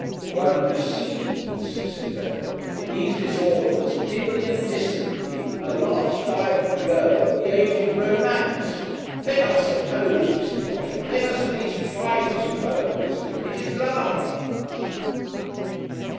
"One perceives," said Revel, "in these disorders, dimly and distantly, the last dying glow of the age of Romance. Let us suppose, Mrs. Botting, let us at least try to suppose it is Love."